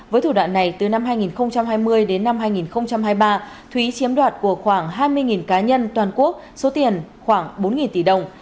với thủ đoạn này từ năm hai nghìn hai mươi đến năm hai nghìn hai mươi ba thúy chiếm đoạt của khoảng hai mươi cá nhân toàn quốc số tiền khoảng bốn tỷ đồng